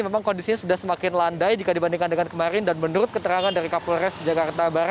memang kondisinya sudah berubah